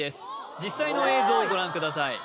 実際の映像をご覧ください